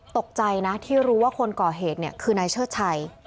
ตกใจนะที่รู้ว่าคนก่อเหตุคือนายเชิดชัย